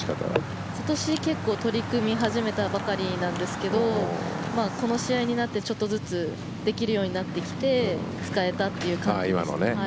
今年結構取り組み始めたばかりなんですけどこの試合になってちょっとずつできるようになってきて使えたっていう感じです。